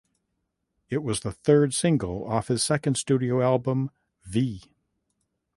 It was the third single off his second studio album "V".